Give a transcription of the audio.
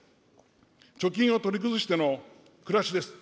貯金を取り崩しての暮らしです。